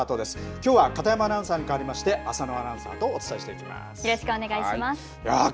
きょうは片山アナウンサーに代わりまして、浅野アナウンサーとおよろしくお願いします。